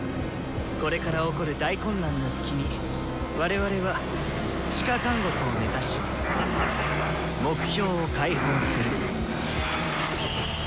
これから起こる大混乱の隙に我々は地下監獄を目指し目標を解放する。